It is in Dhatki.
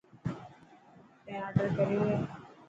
تين آڊر ڪريو هي.